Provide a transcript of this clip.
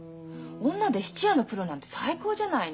女で質屋のプロなんて最高じゃないの。